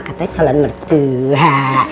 katanya calon mertua